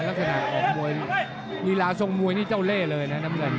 ลักษณะออกมวยลีลาทรงมวยนี่เจ้าเล่นเลยนะน้ำเงิน